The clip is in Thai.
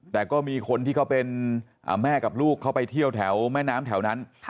แต่ก็มีคนที่เขาเป็นแม่กับลูกเขาไปเที่ยวแถวแม่น้ำแถวนั้น